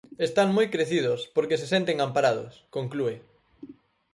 Están moi crecidos porque se senten amparados, conclúe.